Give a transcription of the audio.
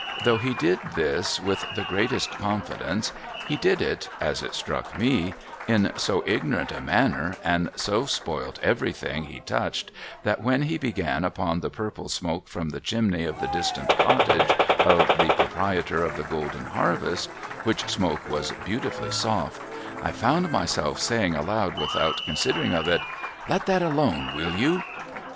Though he did this with the greatest con fidence, he did it (as it struck me) in so ignorant a manner, and so spoilt everything he touched, that when he began upon the purple smoke from the chimney of the distant cottage of the proprietor of the golden harvest (which smoke was beautifully soft), I found myself saying aloud, without considering of it :' Let that alone, will you